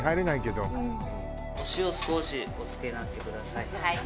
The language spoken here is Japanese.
お塩を少しおつけになってください。